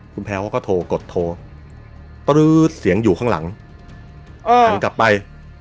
คุณแพลวก็โทรกดโทรสียังอยู่ข้างหลังหันกลับไป